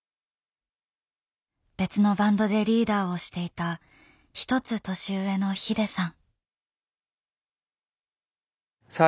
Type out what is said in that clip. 別のバンドでリーダーをしていた１つ年上のＨＩＤＥさん。